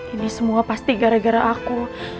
ini semua pasti gara gara aku